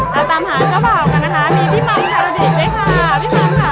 มาตามหาเจ้าบ่าวกันนะคะนี่พี่มันคลาดิกด้วยค่ะพี่มันค่ะ